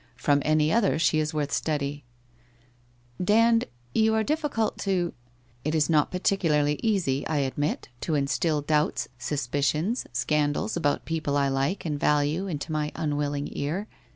From any other she is worth study/ ' Dand, you are difficult to '* It is not particularly easy, I admit, to instil doubts, suspicions, sandals about people I like and value into my unwilling ear.